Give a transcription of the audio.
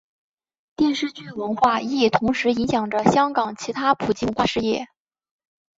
电视剧文化亦同时影响着香港其他普及文化事业。